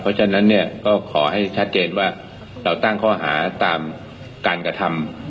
เพราะฉะนั้นเนี่ยก็ขอให้ชัดเจนว่าเราตั้งข้อหาตามการกระทำ